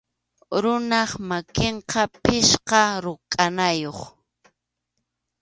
Runap makinqa pichqa rukʼanayuq.